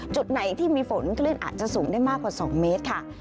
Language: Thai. จุดไหนที่มีฝนคลื่นอาจจะสูงได้มากกว่า๒เมตรค่ะ